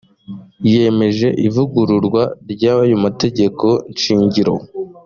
yemeje ivugururwa ry ayo mategeko shingiro